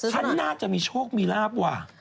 ฉันน่าจะมีโชคมีลาบว่ะ